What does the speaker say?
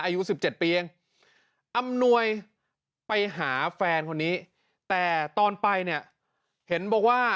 อายุ๑๗ปีเองอำนวยไปหาแฟนคนนี้แต่ตอนไปเนี่ยเห็นบอกว่า